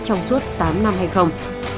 trong suốt tám năm hay không